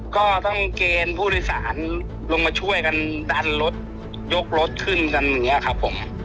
ก็ต้องเกณฑ์ผู้โดยสารลงมาช่วยกันดันรถยกรถขึ้นกันอย่างนี้ครับผม